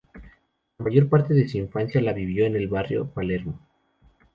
La mayor parte de su infancia la vivió en el barrio Palermo.